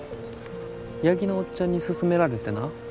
八木のおっちゃんに勧められてな。